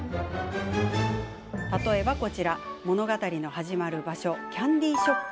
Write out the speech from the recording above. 例えば、こちら物語の始まる場所キャンデーショップ。